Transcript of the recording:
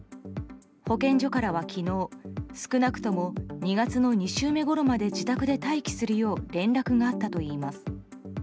保健所からは昨日少なくとも２月の２週目ごろまで自宅で待機するよう連絡があったといいます。